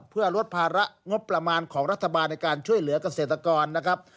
เพื่อลดภาระงบประมาณของรัฐบาลในการช่วยเหลือกเกษตรกรนะครับ